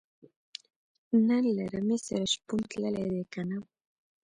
نن له رمې سره شپون تللی دی که نۀ